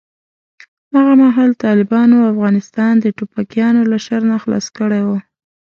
هغه مهال طالبانو افغانستان د ټوپکیانو له شر نه خلاص کړی و.